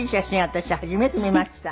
私初めて見ました。